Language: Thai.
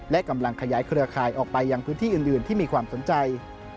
และกำลังขยายเครือข่ายออกไปยังพื้นที่อื่นที่มีความสนใจ